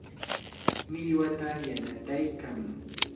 millwata yanataykan.